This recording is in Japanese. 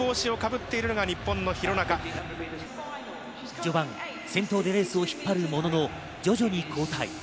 序盤、先頭でレースを引っ張るものの徐々に後退。